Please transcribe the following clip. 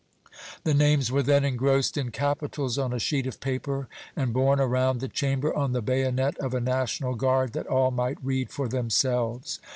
The names were then engrossed in capitals on a sheet of paper and borne around the Chamber on the bayonet of a National Guard that all might read for themselves.